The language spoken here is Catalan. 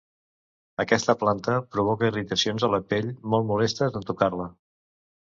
Aquesta planta provoca irritacions a la pell molt molestes en tocar-la.